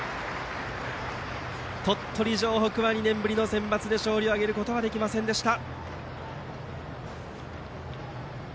鳥取城北は２年ぶりのセンバツで勝利を挙げることはできませんでした。